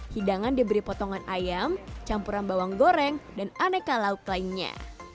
hidangan diberi potongan ayam campuran bawang goreng dan aneka lauk lainnya